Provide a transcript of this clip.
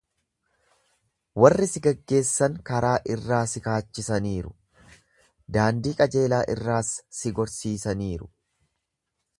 Warri si geggeessan karaa irraa si kaachisaniiru, daandii qajeelaa irraas si gorsiisaniiru.